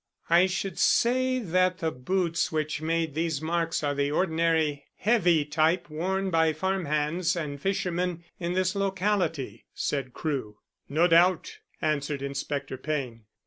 "I should say that the boots which made these marks are the ordinary heavy type worn by farm hands and fishermen in this locality," said Crewe. "No doubt," answered Inspector Payne.